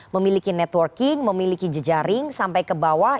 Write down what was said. memiliki networking memiliki jejaring sampai ke bawah